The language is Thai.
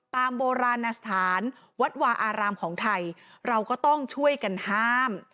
โบราณสถานวัดวาอารามของไทยเราก็ต้องช่วยกันห้าม